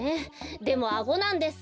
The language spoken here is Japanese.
でもアゴなんです。